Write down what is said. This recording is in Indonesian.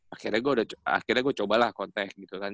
akhirnya gua cobalah kontek gitu kan